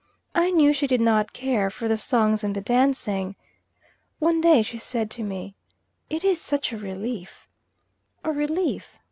I knew she did not care for the songs and the dancing. One day she said to me, "It is such a relief." "A relief?"